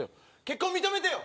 結婚認めてよ